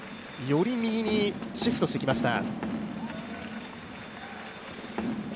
より右にシフトしてきました。